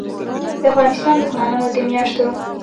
دافغانستان دښمنانودمیاشتو